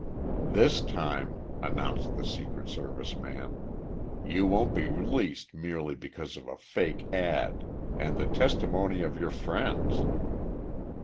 "This time," announced the Secret Service man, "you won't be released merely because of a fake ad. and the testimony of your friends.